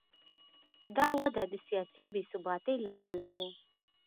دا وده د سیاسي بې ثباتۍ له امله و.